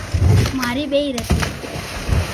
ماري ٻينو ھتي